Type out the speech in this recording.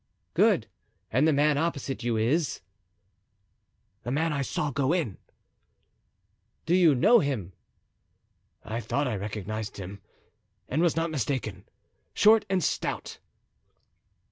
"Good. And the man opposite to you is—— "The man I saw go in." "Do you know him?" "I thought I recognized him, and was not mistaken. Short and stout."